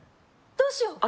どうしよう